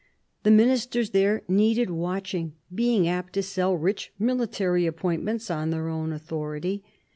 The Ministers there needed watching, being apt to sell rich military appointments on their own authority.